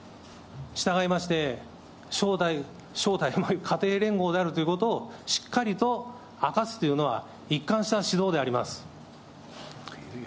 したがいまして、正体、家庭連合であるということをしっかりと明かすというのは、一貫した指導であります。